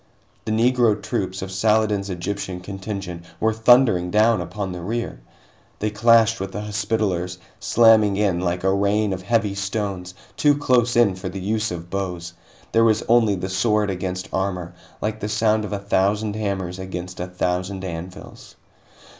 The Negro troops of Saladin's Egyptian contingent were thundering down upon the rear! They clashed with the Hospitallers, slamming in like a rain of heavy stones, too close in for the use of bows. There was only the sword against armor, like the sound of a thousand hammers against a thousand anvils.